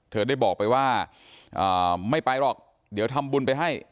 เธอได้บอกไปว่าไม่ไปหรอกเดี๋ยวทำบุญไปให้